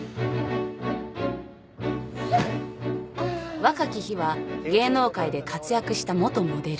若き日は芸能界で活躍した元モデル。